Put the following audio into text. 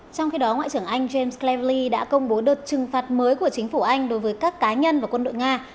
trong khi đó ngoại trưởng anh jamesley đã công bố đợt trừng phạt mới của chính phủ anh đối với các cá nhân và quân đội nga